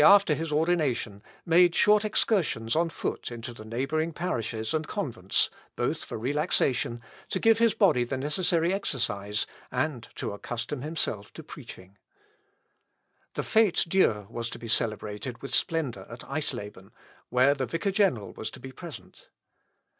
By the advice of Staupitz, Luther, shortly after his ordination, made short excursions on foot into the neighbouring parishes and convents, both for relaxation, to give his body the necessary exercise, and to accustom himself to preaching. The Fête Dieu was to be celebrated with splendour at Eisleben, where the vicar general was to be present.